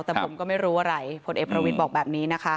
แต่ผมก็ไม่รู้อะไรผลเอกประวิทย์บอกแบบนี้นะคะ